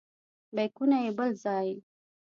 بیکونه یې بل ځای.